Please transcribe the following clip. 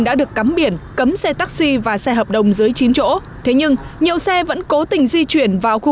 không biển cấm xe taxi và xe hợp đồng dưới chín chỗ thế nhưng nhiều xe vẫn cố tình di chuyển vào khu